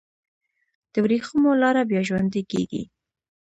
د وریښمو لاره بیا ژوندی کیږي؟